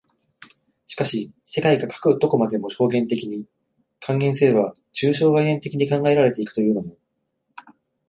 しかし世界がかく何処までも表現的に、換言すれば抽象概念的に考えられて行くというのも、